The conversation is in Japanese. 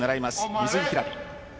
水井ひらり。